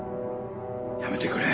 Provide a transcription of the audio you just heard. やめてくれ。